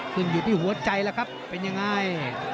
ซึ่งอยู่ที่หัวใจแล้วครับเป็นยังไง